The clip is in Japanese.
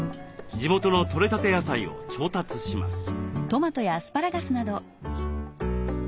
地元の取れたて野菜を調達します。